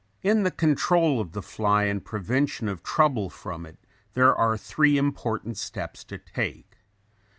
] In the control of the fly and prevention of trouble from it there are three important steps to take.